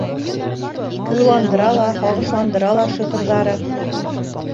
Уйландыра ла, һағышландыра ла шиғырҙары.